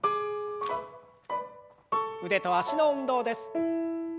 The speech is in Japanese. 腕と脚の運動です。